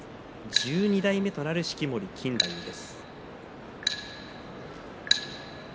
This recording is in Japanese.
１２代目となる式守錦太夫です。